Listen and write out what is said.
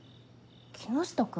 木下君？